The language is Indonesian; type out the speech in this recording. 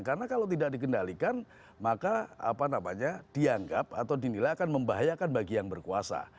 karena kalau tidak dikendalikan maka dianggap atau dinilai akan membahayakan bagi yang berkuasa